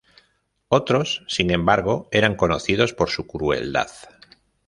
Otros, sin embargo, eran conocidos por su crueldad.